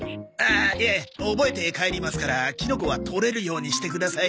あいや覚えて帰りますからキノコはとれるようにしてください。